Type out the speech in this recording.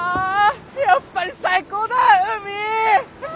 やっぱり最高だ海！わ！